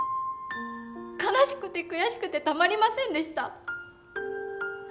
悲しくて悔しくてたまりませんでした。